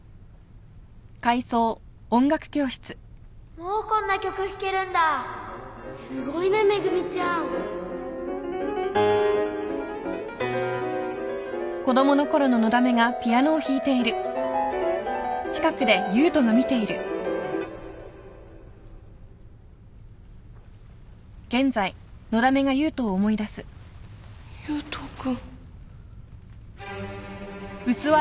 もうこんな曲弾けるんだすごいね恵ちゃん悠人君。